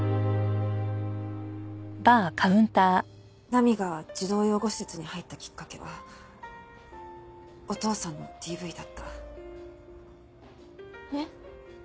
菜美が児童養護施設に入ったきっかけはお父さんのＤＶだった。えっ？